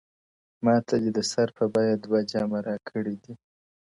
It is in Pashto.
o ماته دي د سر په بيه دوه جامه راکړي دي ـ